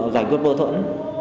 giải quyết mâu thuẫn